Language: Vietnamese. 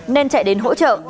nên chạy đến hỗ trợ